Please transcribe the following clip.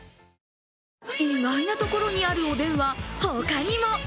意外なところにあるおでんは他にも。